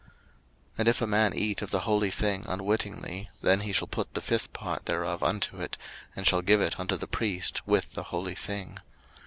03:022:014 And if a man eat of the holy thing unwittingly, then he shall put the fifth part thereof unto it, and shall give it unto the priest with the holy thing.